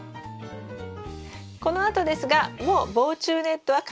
このあとですがもう防虫ネットはかけません。